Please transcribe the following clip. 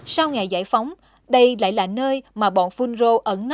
sau ngày giải phóng đây lại là nơi mà bọn phun rơi